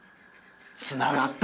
つながった。